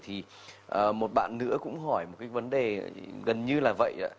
thì một bạn nữa cũng hỏi một cái vấn đề gần như là vậy